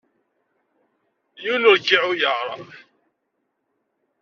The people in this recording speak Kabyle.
Yiwen ur k-iεuyer.